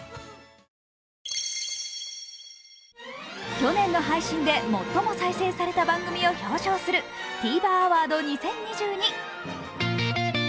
去年の配信で最も再生された番組を表彰するＴｖｅｒアワード２０２２。